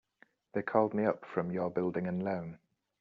They called me up from your Building and Loan.